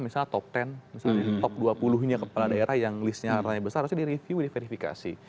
misalnya top sepuluh top dua puluh nya kepala daerah yang listnya raya besar harusnya direview verifikasi